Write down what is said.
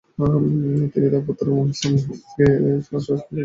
তিনি তার পুত্র মনিহর্ষ জ্যোতি কংসকারকে সেই কার্যালয়ে দায়িত্ব দেন।